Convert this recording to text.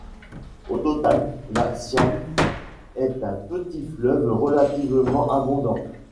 Au total, la Siagne est un petit fleuve relativement abondant.